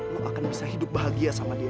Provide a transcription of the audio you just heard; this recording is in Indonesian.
kamu akan bisa hidup bahagia sama dia